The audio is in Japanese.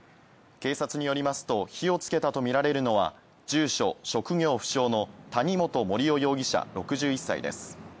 警察によりますと、火をつけたとみられるのは住所・職業不詳の谷本盛雄容疑者６１歳です。